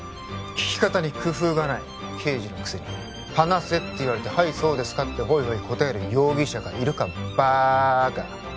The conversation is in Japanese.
聞き方に工夫がない刑事のくせに「話せ」って言われて「はいそうですか」ってホイホイ答える容疑者がいるかバーカ！